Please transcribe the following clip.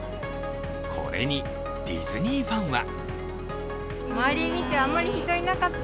これにディズニーファンは？